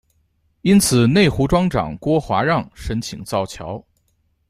因此内湖庄长郭华让申请造桥。